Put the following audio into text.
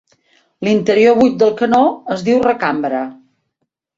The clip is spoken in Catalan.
L'interior buit del canó es diu "recambra".